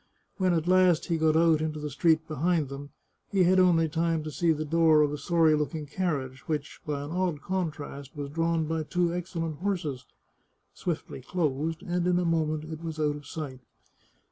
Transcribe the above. When, at last, he got out into the street behind them, he had only time to see the door of a sorry looking carriage, which, by an odd contrast, was drawn by two excellent horses, swiftly closed, and in a moment it was out of sight.